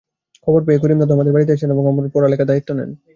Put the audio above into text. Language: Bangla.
খবর পেয়ে করিম দাদু আমাদের বাড়িতে আসেন এবং আমার পড়ালেখার দায়িত্ব নেন।